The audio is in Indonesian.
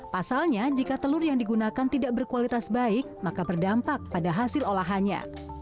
pasalnya jika telur yang digunakan tidak berkualitas baik maka berdampak pada hasil olahannya